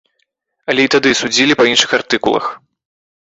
Але і тады судзілі па іншых артыкулах.